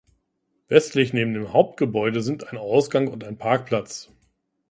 Westlich neben dem Hauptgebäude sind ein Ausgang und ein Parkplatz.